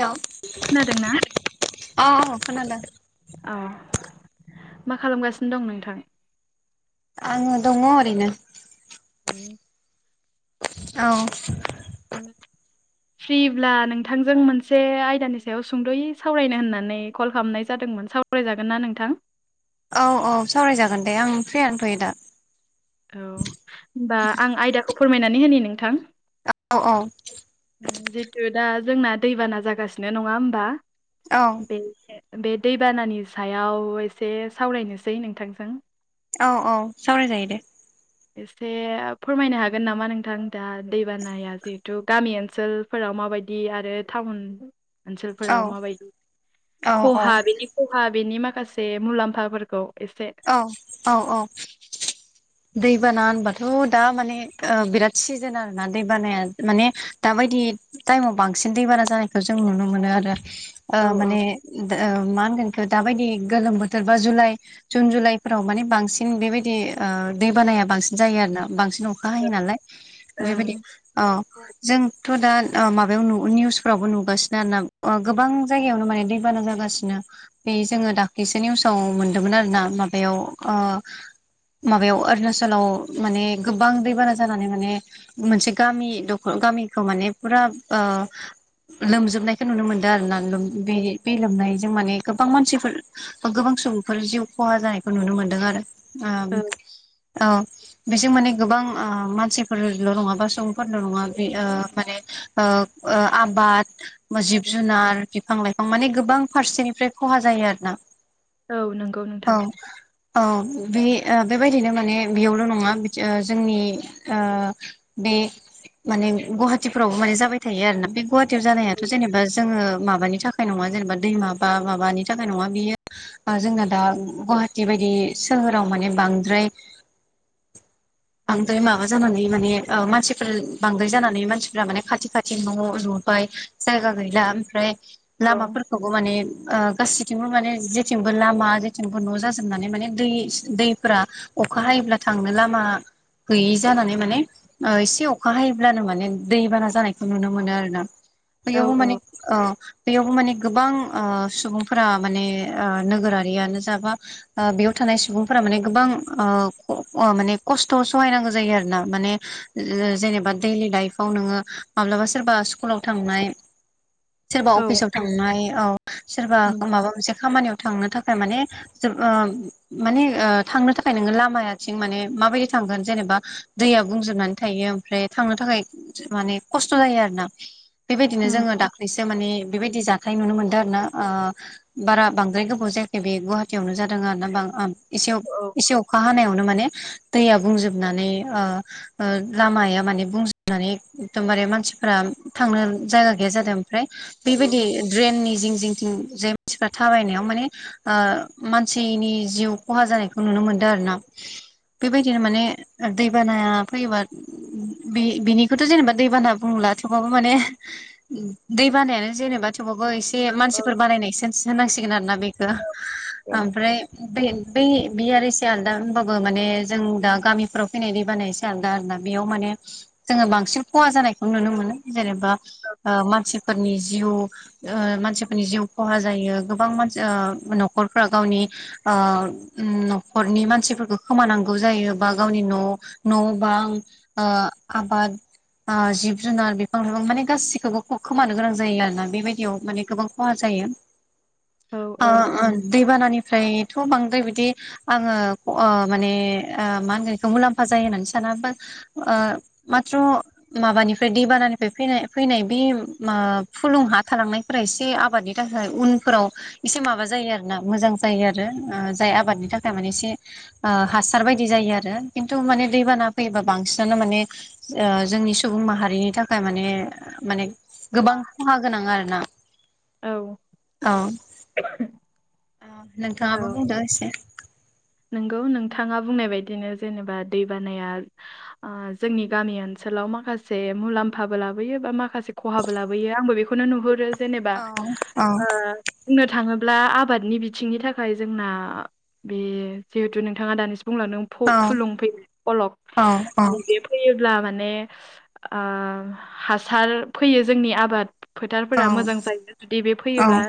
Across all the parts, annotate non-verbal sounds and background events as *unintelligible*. हेल' खोनादों ना खोनादों औ मा खालामगासिनो दं नोंथां आङो दङ ओरैनो आं औ ओं फ्रिब्ला नोंथांजों मोनसे आयदानि सायाव सुंद'यै सावरायनो होननानै कल खालामनाय जादोंमोन साव सावरायजागोन ना नोंथां? औ औ सावरायजागोन दे आं फ्रियानोथ'यो दा। औ होनबा आं आयदाखौ फोरमायनानै होनि नोंथां अ अ जितु दा जोंना दैबाना जागासिनो नंङा होमबा औ बे बे दैबानानि सायाव एसे सावरायनोसै नोंथांजों औ औ सावरायजायो दे एसे फोरमायनो हागोन नामा नोंथां दा दैबानाया जिहेथु गामि ओनसोल फोराव माबायदि आरो टाउन औ ओनसोलफोराव माबायदि औ औ खहा बेनि सहा बेनि माखासे मुलाम्फाफोरखौ एसे औ औ औ दैबाना होनबाथ' दा माने बिराद सिजोन आरोना दैबानाया माने दाबायदि टाइमाव बांसिन दै बाना जानायखौ जों नुनो मोनो आरो औ माने मा होनगोन दाबायदि गोलोम बोथोर बा जुलाइ जुन जुलाइफोराव माने बांसिन बेबायदि ओ दैबानाया बांसिन जायो आरोना बांसिन न अखा हायो नालाय बेबायदि ओं औ जों थ' दा ओ माबायाव नु निउसफ्रावबो नुगासिनो आरोना ओ गोबां जायगायावनो माने दैबाना जागासिनो। बे जोंङो दाख्लिसो निउसाव मोनदोंमोन आरो ना माबायाव ओ माबायाव अरुणाचलाव माने गोबां दैबाना जानानै माने मोनसे गामि दखल गामिखौ माने फुरा ओ लोमजोबनायखौ नुनो मोनदों आरो ना लोम बे बे लोमनायजों माने गोबां मानसिफोर गोबां सुबुंफोर जिउ खहा जानायखौ नुनो मोनदों आरो ओ औ ओ बेजों माने गोबां ओ मानसिफोरल' नंङा बा सुबुंफोरल' नंङा बे ओ माने ओ ओ आबाद जिब जुनार बिफां लाइफां माने गोबां फारसेनिफ्राय खहा जायो आरो ना। औ नंगौ नों औ औ बे ओ बेबायदिनो माने बेयावल' नंङा बिथि ओ जोंनि ओ बे माने गुवाहाटिफोरावबो माने जाबाय थायो आरोना बे गुवाहाटियाव जानायाथ' जेनेबा जोंङो माबानि थाखाय खाय नंङा जेनेबा दैमा बा माबानि थाखाय नंङा बियो ओ जोंना दा गुवाहाटि बायदि सोहोराव माने बांद्राय *unintelligible* बांद्राय माबा जानानै माने ओ मानसिफोर बांद्राय जानानै मानसिफोरा माने खाथि खाथि न' लुबाय जायगा गैला ओमफ्राय औ लामाफोरखौबो माने ओ गासैथिंबो माने जेथिंबो लामा जेथिंबो न' जाजोबनानै माने दै-दैफोरा अखा हायोब्ला थांनो लामा गैयि जानानै माने ओ एसे अखा हायोब्लानो माने दैबाना जानायखौ नुनो मोनो आरो ना बैयावबो माने औ बैयावबो माने गोबां ओ सुबुंफोरा माने ओ नोगोरारियानो जाबा ओ बेयाव थानाय सुबुंफोरा माने गोबां ओ ख ओ माने खस्थ' सहायनांगौ जायो आरो ना माने जे-जेनेबा दैलि लाइफाव नोंङो माब्लाबा सोरबा स्कुलाव थांनाय सोरबा औ अफिसाव थांनाय औ सोरबा नंगौ माबा मोनसे खामानियाव थांनो थाखाय माने जोब ओ माने ओ थांनो थाखाय नोंङो लामायाथिं माने माबायदि थांगोन जेनेबा दैया बुंजोबनानै थायो ओमफ्राय थांनो थाखाय माने खस्थ' जायो आरो ना बेबायदिनो उम जोंङो दाख्लैसो माने बेबायदि जाथाय नुनो मोनदों आरो ना ओ बारा बांद्राय गोबाव जायाखै बे गुवा खथियावनो जादों आरो ना बां एसे औ एसे अखा हानायावनो माने दैया बुंजोबनानै ओ लामाया माने बुंजोबनानै एदमबारे मानसिफोरा थांनो जायगा गैया जादों ओमफ्राय बेबायदि ड्रेननि जिं जिं थिं जाय मानसिफ्रा थाबायनायाव माने मानसिनि जिउ खहा जानायखौ नुनो मोनदों आरो ना बेबायदिनो माने दैबाना फैयोबा बि बेनिखौथ' जेनेबा दैबाना बुङला थेवबाबो माने दै बानायानो जेनेबा थेवबाबो एसे मानसिफोर बानायनाय एसे होननांसिगोन आरो ना बेखो। ओमफ्राय बे बै बे आरो एसे आलदा होनबाबो माने जों दा गामिफ्राव फैनाय दै बानाया एसे आलदा आरोना बेयाव माने जोंङो बांसिन खहा जानायखौ नुनो मोनो जेनेबा ओ मानसिफोरनि जिउ ओ मानसिफोरनि जिउ खहा जायो गोबां मानसि ओ न'खरफ्रा गावनि ओ न'खरनि मानसिफोरखौ खोमानांगौ जायो बा गावनि न' न' बां ओ आबाद ओ जिब जुनार बिफां लाइफां माने गासिखौबो खोमानो गोनां जायो आरोना बेबायदियाव माने गोबां खहा जायो। *inaudible* ओ औ दैबानानिफ्रायथ' बांद्राय बिदि। आङो माने मा होनगोखौ मुलाम्फा जायो होननानै साना बा ओ माथ्र' माबानिफ्राय दैबानानिफ्राय फैनाय फैनाय बे म फुलुं हा थालांनाय। फोर एसे आबादनि थाखाय उनफोराव इसे माबा जायो आरो। ना मोजां जायो आरो जाय आबादनि थाखाय माने एसे। हासार बायदि जायो आरो खिन्थु माने दैबाना फैयोबा बांसिनानो माने। जोंनि सुबुं माहारिनि थाखाय माने माने गोबां खहा गोनां आरोना औ औ *unintelligible* नोंथाङाबो औ बुंदो एसे नोंगौ नोंथाङा बुंनाय बायदिनो जेनेबा दै बानाया जोंनि गामि ओनसोलाव माखासे मुलाम्फाबो लाबोयो बा माखासे खहाबो लाबोयो आंबो बेखौनो नुहुरो औ जेनेबा ओ बुंनो थाङोब्ला आबादनि बिथिंनि थाखाय जोंना बे जिहेतु नोंथाङा दानिसो बुंलांदों फु फुलुं फैयो फ'लब नंगौ जि बे फैयोब्ला माने हासार फैयो जोंनि आबाद फोथारफोरा मोजां जायो जुदि बे फैयोब्ला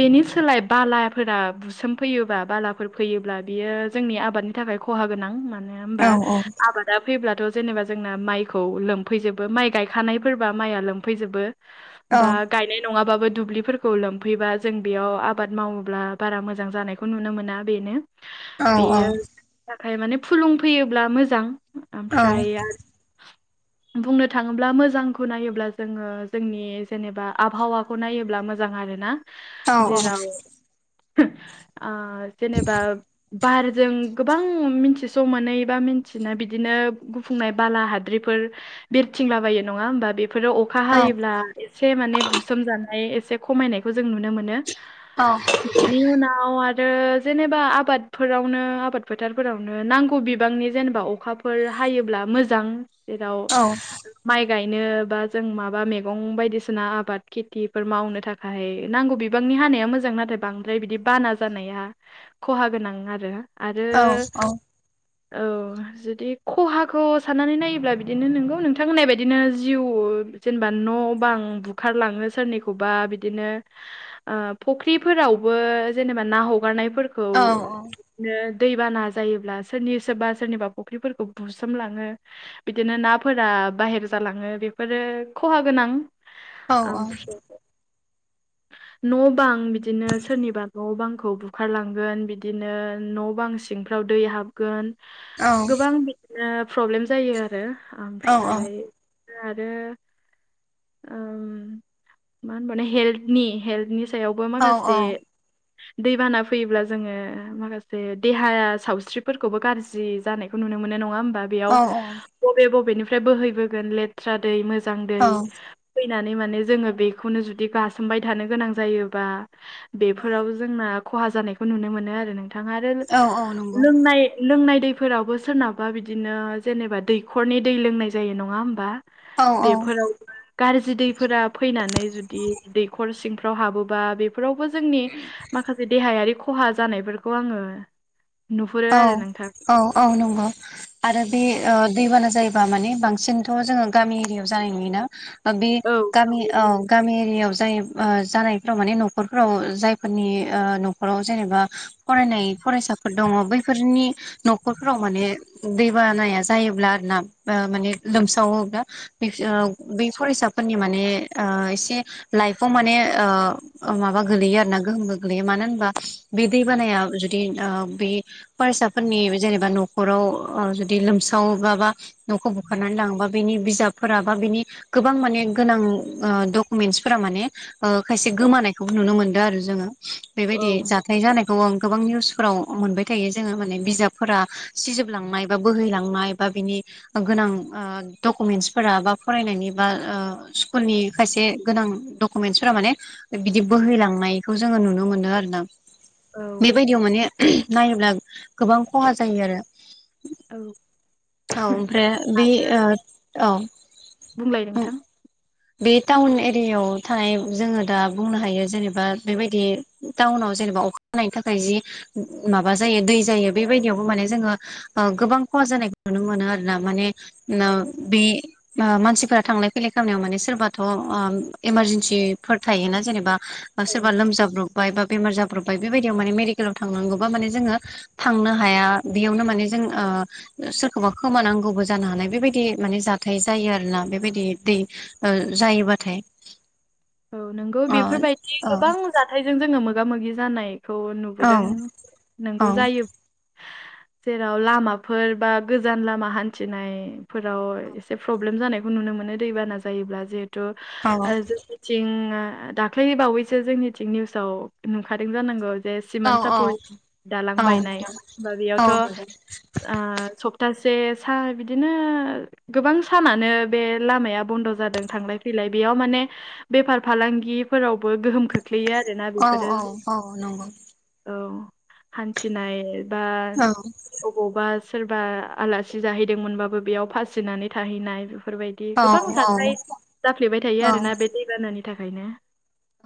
बेनि सोलाय बालाफोरा बुसोमफैयोबा बालाफोर फैयोब्ला बियो जोंनि आबादनि थाखाय खहा गोनां मानो होनबा आबाद दा फैब्लाथ' जेनेबा जोंना माइखौ लोंफैजोबो माइ गायखानायफोरबा माइआ लोंफैजोबो। बा गायनाय नङाबाबो दुब्लिफोरखौ लोमफैबा जों बेयाव आबाद मावोब्ला बारा मोजां जानायखौ नुनो मोना। बेनो बेयोनि थाखाय माने फुलुंफैयोब्ला मोजां। ओमफ्राय बुंनो थाङोब्ला मोजांखौ नायोब्ला जोङो जोंनि जेनेबा आबहावा खौ नायोब्ला मोजां आरोना। जेराव ओ जेनेबा बारजों गोबां मिथिस' मोनै बा मिथिनो बिदिनो गुफुंनाय बाला हाद्रिफोर बेरथिंलाबायो नङा होमबा बेफोरो अ अखा हायोब्ला एसे माने बुसोमजानाय एसे खमायनायखौ जों नुनो मोनो। बेनि उनाव आरो जेनेबा आबादफोरावनो आबाद फोथारफोरावनो नांगौ बिबांनि जेनेबा अखा फोर हायोब्ला मोजां जेराव माइ गायनो बा जों माबा मैगं बायदिसिना आबाद खिथिफोर मावनो थाखाय ओमफाय नांगौ बिबांनि हानाया मोजां नाथाय बांद्राय बिदि बाना जानाया। खहा गोनां आरो आरो औ जुदि खहाखौ साननानै नायोब्ला बिदिनो नोंगौ नोंथां होननाय बायदिनो जिउ। जेनेबा न' बां बुखारलाङो सोरनिखौबा बिदिनो। फुख्रिफोरावबो जेनेबा ना हगारनायफोरखौ। बिनो दैबाना जायोब्ला सोरनि सोरबा सोरनिबा फुख्रिफोरखौ बुस्रोमलाङो। बिदिनो नाफोरा बाहेर जालाङो बेफोरो खहा गोनां। ओमफ्राय न' बां बिदिनो सोरनिबा न' बांखौ बु बुखारलांगोन बिदिनो न' बां सिंफ्राव दै हाबगोन गोबां बिदिनो प्रब्लेम जायो आरो ओमफ्राय आरो ओ मा होनबावनो हेल्थनि हेल्थनि सायावबो माखासे दैबाना फैयोब्ला जोङो माखासे देहा सावस्रिफोरखौबो गाज्रि जानायखौ नुनो मोनो नङा होमबा। बेयाव बबे बबेनिफ्राय बोहैबोगोन लेथ्रा दै मोजां दै फैनानै माने जोङो बेखौनो जुदि गासोमबाय थानो गोनां जायोबा बेफोराव जोंना खहा जानायखौ नुनो मोनो आरो नोंथां आरो लोंनाय लोंनाय दैफोरावबो सोरनाबा बिदिनो जेनेबा दैखरनि दै लोंनाय जायो नङा होमबा औ औ बेफोरा गारजि दैफोरा फैनानै जुदि दैखर सिंफ्राव हाबोबा बे फोरावबो जोंनि माखासे देहायारि खहा जानायफोरखौ आङो नुहरो औ आरो नोंथां औ औ नंगौ आरो बे ओ दैबाना जायोबा माने बांसिनथ' जोङो गामि एरियाव जानाय नुयोना ओबे औ गामि औ गामि एरियायाव जायो ओ जानायफोराव माने न'खरफोराव जायफोरनि न'खराव जेनेबा फरायनाय फरायसाफोर दङ बैफोरनि न'खरफोराव माने। दैबानाया जायोब्ला आरो ना ओ माने लोमसावोब्ला बै फरायसाफोरनि माने ओ एसे लाइफाव माने ओ ओ माबा गोलैयो आरो ना गोहोम गोलैयो मानो होनबा बे दैबानाया जुदि ओ बे फरायसाफोरनि जेनेबा न'खराव ओ जुदि लोमसावोबा बा न'खौ बुखारनानै लाङोबा बेनि बिजाबफोरा बा बिनि गोबां माने गोनां ओ डकुमेन्टस फोरा माने ओ खायसे गोमानायखौबो नुनो मोनदो आरो जोङो औ बेबायदि जाथाय जानायखौ आों गोबां निउसफोराव मोनबाय थायो जोङो माने बिजाबफोरा सिजोबलांनाय बा बोहैलांनाय बा बिदि गोनां ओ डकुमेन्टसफोरा बा फरायनायनि बा ओ स्कुलनि खायसे गोनां डक कुमेन्टसफोरा माने बिदि बोहैलांनायखौ जोङो नुनो मोनो आरो ना औ बेबायदियाव माने नायोब्ला गोबां खहा जायो आरो औ औ ओमफ्राय बे ओ औ बुंलाय नोंथां बे टाउन एरियायाव थानाय जोङो दा बुंनो हायो जेनेबा बेबायदि टाउनाव जेनेबा अखा हानायनि थाखाय जि माबा जायो दै जायो बेबायदियावबो माने जोङो ओ गोबां खहा जानायखौ नुनो मोनो आरो ना माने नो औ बे ओ मानसिफोरा थांलाय फैलाय खामनायाव माने सोरबाथ' ओम एमारजेन्सिफोर थायोना जेनेबा बा औ सोरबा लोमजाब्र बाय बा बेमार जाब्रबबाय बेबायदियाव माने मेडिकेलाव थांनांगौ बा माने जोङो थांनो हाया बेयावनो माने जों ओ सोरखौबा खोमानांगौबो जानो हानाय बेबायदि माने जाथाय जायो आरो ना बेबायदि दै ओ जायोबाथाय औ नोंगौ अ बेफोरबायदि औ गोबां औ जाथायजों जोङो मोगा मोगि जानाय खौ औ नुबोदों नोंगौ जायो। जेराव लामाफोर बा गोजान लामा हान्थिनायफोराव एसे प्रब्लेम जानायखौ नुनो मोनो दैबाना जायोब्ला जिहेथु औ ओ जो थिं दाख्लै बावैसो जोंनिथिं निउसाव नुखादों जानांगौ। जे औ सिमान औ सापरि दालां औ बायनाय मेदाम बा औ बेयावथ' ओ मेदाम सप तासे सा बिदिनो गोबां सानानो बे लामाया बन्द' जादों थांलाय फैलाय बेयाव माने बेफार फालांगिफोरावबो गोहोम खोख्लैयो आरोना औ बेफोरो औ औ नंगौ औ हान्थिनाय बा अबावबा सोरबा आलासि जाहैदोंमोनबाबो बेयाव फासिनानै थाहैनाय बेफोरबाय दि औ गोबां औ जाथाय औ जाफ्लेबाय थायो औ आरोना बे दैबानानि थाखायनो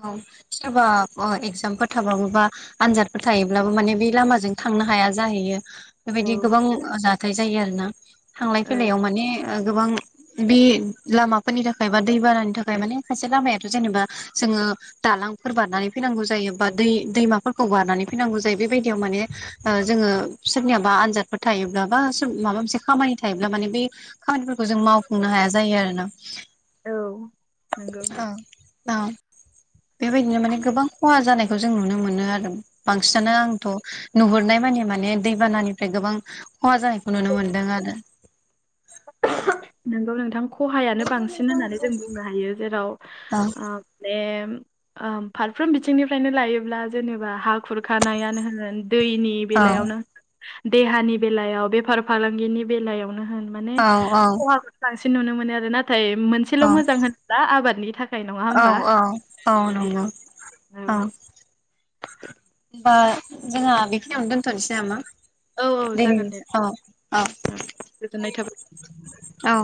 औ सोरबा ओ इगजामफोर थाबाबो बा आनजादफोर थायोब्लाबो माने बे लामाजों थांनो हाया जाहैयो औ बेबायदि गोबां जाथाय जायो आरो ना थांलाय औ फैलायाव माने ओ गोबां बि लामाफोरनि थाखाय बा दैबानानि थाखाय माने खायसे लामायाथ' जेनेबा जोङो दालांफोर बारनानै फैनांगौ जायो बा दै दैमाफोरखौ बारनानै फैनांगौ जायो बेबायदियाव माने जोङो सोरनियाबा आनजादफोर थायोब्ला बा सोर माबा मोनसे खामानि थायोब्ला माने बे खामानिफोरखौ जों मावफुंनो हाया जायो आरो ना। औ नोंगौ औ औ बेबायदिनो माने गोबां खहा जानायखौ जों नुनो मोनो आरो बांसिनानो आंथ' नुहुरनाय माने माने दैबानानिफ्राय गोबां खहा जानायखौ नुनो मोनदों आरो नोंगौ नोंथां खहायानो बांसिन होननानै जों बुंनो हायो जेराव औ ओ बे आ फारफ्रोम बिथिंनिफ्रायनो लायोब्ला जेनेबा हा खुरखानायानो होन दैनि बेलायावनो देहानि बेलायाव बेफार फालांगिनि बेलायावनो होन माने औ औ खहाखौ बांसिन नुनो मोनो आरो नाथाय मोनसेल' औ मोजां होनोब्ला आबादनि था औ औ औ नंगौ औ ओमबा जोंहा बेखिनियावनो दोनथ'नोसै नामा? औ औ दिनैनि जागोन दे अ औ गोजोननाय थाबाय औ